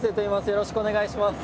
よろしくお願いします。